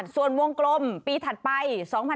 ส่วนวงกลมปีถัดไป๒๕๖๒